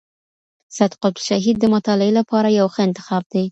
سید قطب شهید د مطالعې لپاره یو ښه انتخاب دی.